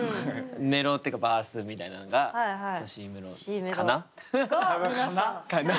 メロっていうかバースみたいなのがＣメロかな？かな？